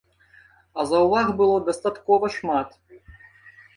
А заўваг было дастаткова шмат.